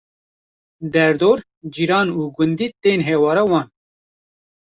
Der dor, cîran û gundî tên hewara wan